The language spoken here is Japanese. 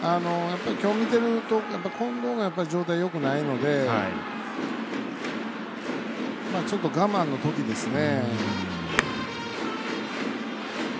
今日見てると近藤が状態よくないのでちょっと我慢のときですね。